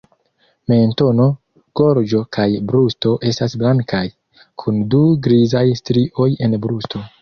Mentono, gorĝo kaj brusto estas blankaj, kun du grizaj strioj en brusto.